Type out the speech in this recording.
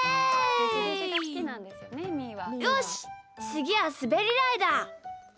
よし、つぎはすべりだいだ！